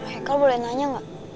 haikal boleh nanya gak